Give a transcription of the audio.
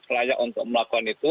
layak untuk melakukan itu